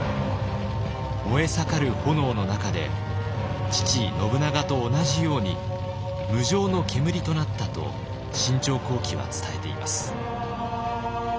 燃えさかる炎の中で父信長と同じように「無常の煙となった」と「信長公記」は伝えています。